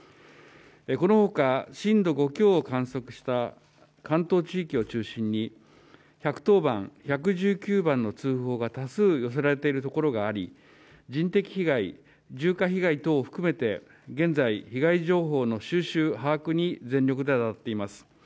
この他、震度５強を観測した関東地域を中心に１１０番、１１９番の通報が多数寄せられているところがあり人的被害、住家被害等を含めて現在、被害情報の収集、把握に全力で当たっています。